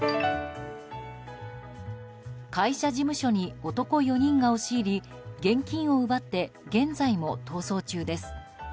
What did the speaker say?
会社事務所に男４人が押し入り現金を奪って現在も逃走中です。